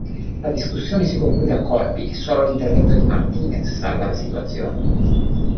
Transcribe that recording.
La discussione si conclude a colpi e solo l'intervento di Martínez salva la situazione.